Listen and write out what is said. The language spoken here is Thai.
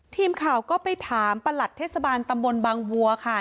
ทีมข่าวก็ไปถามประหลัดเทศบาลตำบลบางวัวค่ะ